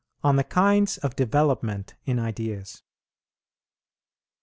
ON THE KINDS OF DEVELOPMENT IN IDEAS.